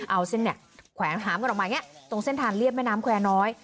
เอาเส้นแขวงหามกันออกมาตรงเส้นทางเรียบแม่น้ำแควร์น้อย